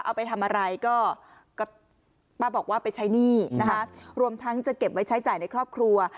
เอาไปทำอะไรก็ป้าบอกว่าไปใช้หนี้นะคะรวมทั้งจะเก็บไว้ใช้จ่ายในครอบครัว